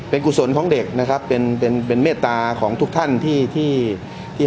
เป็นกุศลของเด็กนะครับเป็นเป็นเมตตาของทุกท่านที่ที่